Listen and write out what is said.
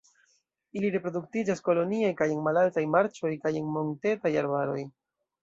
Ili reproduktiĝas kolonie kaj en malaltaj marĉoj kaj en montetaj arbaroj.